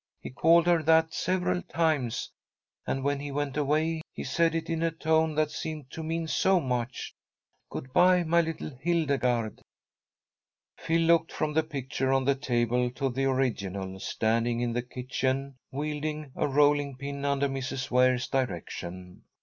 He called her that several times, and when he went away, he said it in a tone that seemed to mean so much, 'Good bye, my little Hildegarde!'" Phil looked from the pictures on the table to the original, standing in the kitchen wielding a rolling pin under Mrs. Ware's direction.